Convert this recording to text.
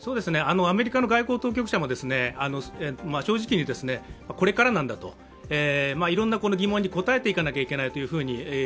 アメリカの外交当局者も正直にこれからなんだと、いろんな疑問に応えていかなきゃいけないと。